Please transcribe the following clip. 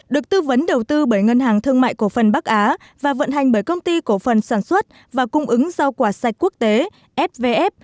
được tư vấn đầu tư bởi ngân hàng thương mại cổ phần bắc á và vận hành bởi công ty cổ phần sản xuất và cung ứng rau quả sạch quốc tế fvf